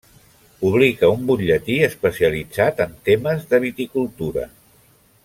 Publica un butlletí especialitzat en temes de viticultura.